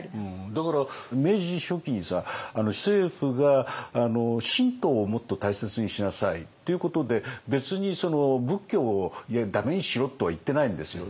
だから明治初期に政府が神道をもっと大切にしなさいっていうことで別に仏教を駄目にしろとは言ってないんですよ。